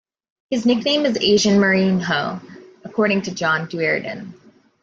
His nickname is 'Asian Mourinho' according to John Duerden.